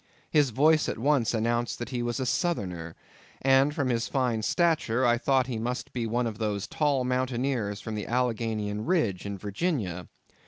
His voice at once announced that he was a Southerner, and from his fine stature, I thought he must be one of those tall mountaineers from the Alleghanian Ridge in Virginia.